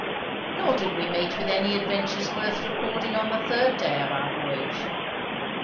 Nor did we meet with any adventures worth recording on the third day of our voyage.